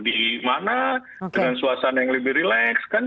di mana dengan suasana yang lebih rileks